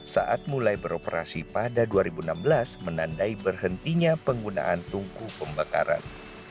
saat mulai beroperasi pada dua ribu enam belas menandai berhentinya penggunaan tungku pembakaran